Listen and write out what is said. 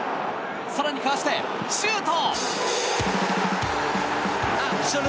更にかわして、シュート！